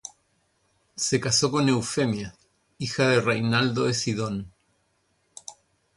Se casó con Eufemia, hija de Reinaldo de Sidón.